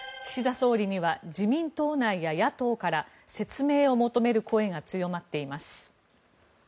総理には自民党内や野党から説明を求める声が強まっています。